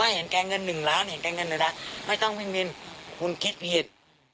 เห็นแกงเงิน๑ล้านไม่ต้องพิมพ์บินคุณคิดผิด